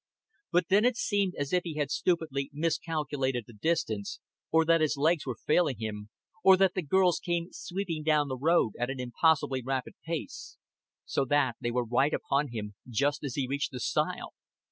But then it seemed as if he had stupidly miscalculated the distance, or that his legs were failing him, or that the girls came sweeping down the road at an impossibly rapid pace; so that they were right upon him just as he reached the stile.